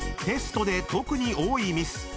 ［テストで特に多いミス］